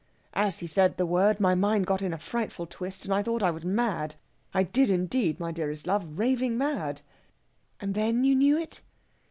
As he said the word my mind got a frightful twist, and I thought I was mad. I did, indeed, my dearest love raving mad!" "And then you knew it?"